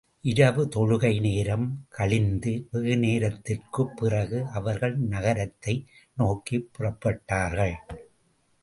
இரவு தொழுகை நேரம் கழிந்து வெகுநேரத்திற்குப் பிறகு அவர்கள் நகரத்தை நோக்கிப் புறப்பட்டார்கள்.